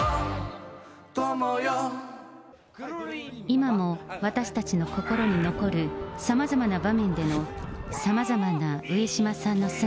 今も私たちの心に残る、さまざまな場面での、さまざまな上島さんの姿。